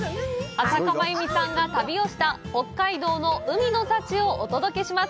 朝加真由美さんが旅をした北海道の海の幸をお届けします！